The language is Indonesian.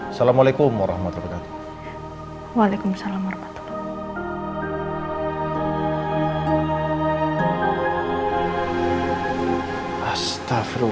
assalamualaikum warahmatullahi wabarakatuh